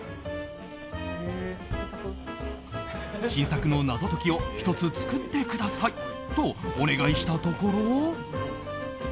新作の謎解きを１つ作ってくださいとお願いしたところ。